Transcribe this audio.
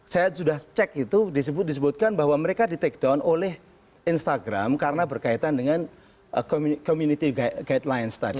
saya sudah cek itu disebutkan bahwa mereka di take down oleh instagram karena berkaitan dengan community guidelines tadi